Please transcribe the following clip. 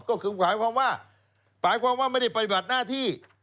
ก็คือปลายความว่าไม่ได้ปฏิบัติหน้าที่